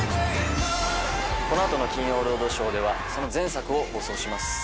この後の『金曜ロードショー』ではその前作を放送します。